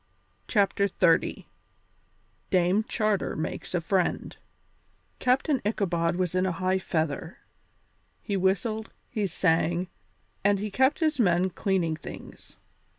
CHAPTER XXX DAME CHARTER MAKES A FRIEND Captain Ichabod was in high feather. He whistled, he sang, and he kept his men cleaning things.